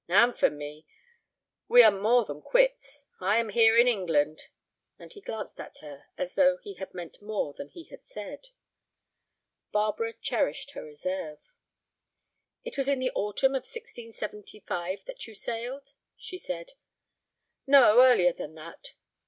"And for me. We are more than quits. I am here in England." And he glanced at her as though he had meant more than he had said. Barbara cherished her reserve. "It was in the autumn of 1675 that you sailed," she said. "No, earlier than that."